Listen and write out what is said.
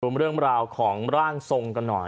เรื่องราวของร่างทรงกันหน่อย